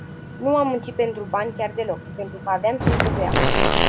Nu am muncit pentru bani chiar deloc, pentru că aveam ce-mi trebuia.